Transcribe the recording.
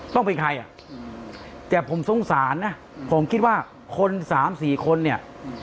ต้องเป็นใครอ่ะแต่ผมสงสารนะผมคิดว่าคนสามสี่คนเนี่ย